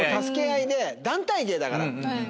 助け合いで団体芸だから。